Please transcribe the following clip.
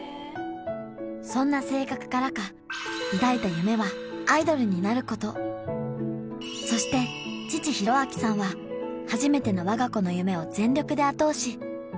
そんな性格からか抱いた夢はアイドルになることそして父公亮さんは初めての我が子の夢を全力で後押し